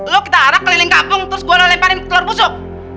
lu kita arak keliling kampung terus gua lo lemparin telur busuk